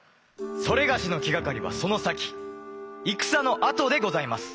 それがしの気がかりはその先戦のあとでございます。